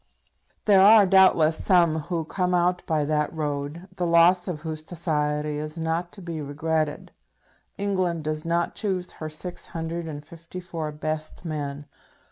There are, doubtless, some who come out by that road, the loss of whose society is not to be regretted. England does not choose her six hundred and fifty four best men.